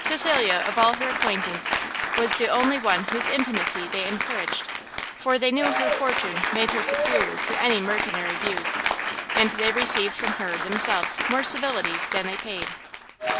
Cecilia, of all her acquaintance, was the only one whose intimacy they encouraged, for they knew her fortune made her superior to any mercenary views, and they received from her themselves more civilities than they paid.